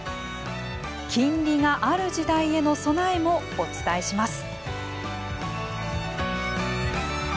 金利がある時代への備えもお伝えします。